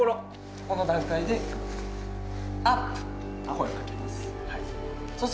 この段階でと声をかけます